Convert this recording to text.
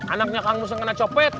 anaknya kang mus yang kena copet